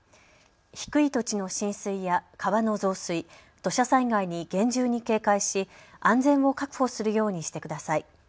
低い土地の浸水や川の増水、土砂災害に厳重に警戒し安全を確保するようにしてください。